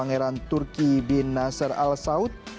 pangeran turki bin nasar al saud